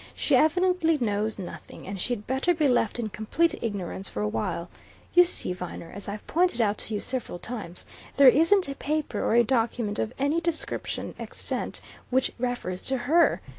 She evidently knows nothing, and she'd better be left in complete ignorance for a while. You see, Viner, as I've pointed out to you several times, there isn't a paper or a document of any description extant which refers to her.